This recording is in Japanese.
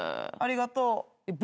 ありがとう。